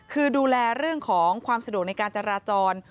คือดูแลเรื่องของความสะดวกในการจราจร